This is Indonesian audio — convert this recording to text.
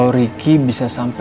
kalau ricky bisa sampai ke rumahnya